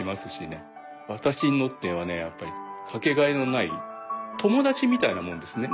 私にとってはねやっぱりかけがえのない友達みたいなものですね。